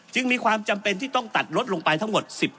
จึงมีความจำเป็นที่ต้องตัดลดลงไปทั้งหมด๑๐